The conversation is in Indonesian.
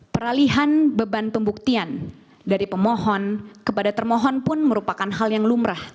peralihan beban pembuktian dari pemohon kepada termohon pun merupakan hal yang lumrah